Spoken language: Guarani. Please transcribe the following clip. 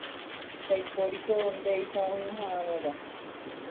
Ndaipóriko ndéicha oñeha'ãrõva